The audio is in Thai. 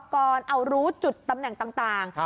ก่อนเอารู้จุดตำแหน่งต่าง